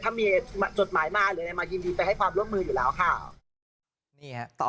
ถ้ามีจดหมายมาหรืออะไรมายินดีไปให้ความร่วมมืออยู่แล้วค่ะ